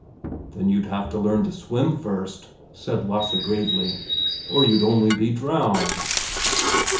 "Then you'd have to learn to swim first," said Lasse gravely. "Or you'd only be drowned."